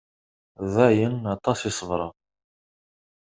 Dayen, aṭas i ṣebreɣ.